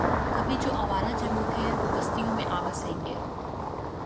کبھی جو آوارۂ جنوں تھے وہ بستیوں میں آ بسیں گے